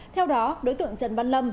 theo đó đối tượng trần văn lâm